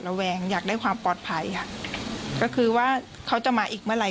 แวงอยากได้ความปลอดภัยค่ะก็คือว่าเขาจะมาอีกเมื่อไห